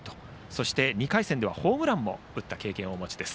そして、２回戦ではホームランも打った経験をお持ちです。